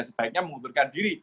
sebaiknya mengusulkan diri